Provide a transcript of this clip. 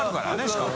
しかも。